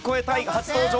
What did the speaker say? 初登場。